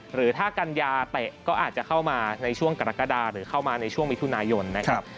หรือถ้ากัญญาเตะก็อาจจะเข้ามาในช่วงกรกฎาหรือเข้ามาในช่วงมิถุนายนนะครับ